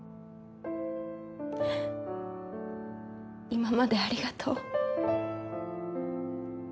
今までありがとう。